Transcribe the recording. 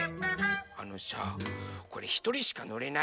あのさこれひとりしかのれないの。